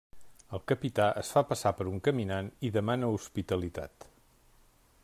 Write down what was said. El capità es fa passar per un caminant i demana hospitalitat.